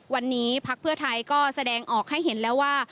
วันนี้พักเพื่อไทยก็แสดงออกให้เห็นแล้วว่า